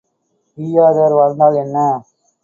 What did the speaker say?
ஈயாதார் வாழ்ந்தால் என்ன?